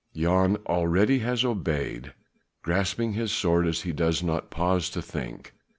Jan already has obeyed, grasping his sword he does not pause to think.